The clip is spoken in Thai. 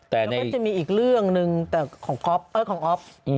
แต่ในจะมีอีกเรื่องนึงแต่ของก๊อปของออฟ